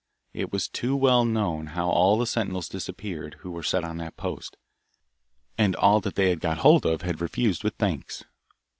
It was too well known how all the sentinels disappeared, who were set on that post, and all that they had got hold of had refused with thanks.